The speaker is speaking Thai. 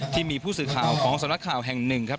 ที่มีผู้สื่อข่าวของสำนักข่าวแห่งหนึ่งครับ